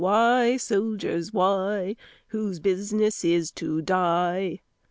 Why, soldiers, why, Whose business 'tis to die!"